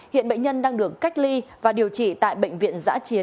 hiện bệnh nhân đang được cách ly và điều trị tại bệnh viện